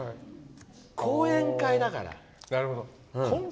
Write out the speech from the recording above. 講演会だから。